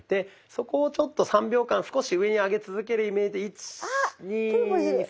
そこをちょっと３秒間少し上に上げ続けるイメージで１２３。